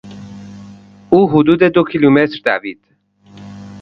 او حدود دو کیلومتر دوید.